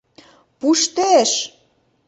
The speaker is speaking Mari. Пуштеш!..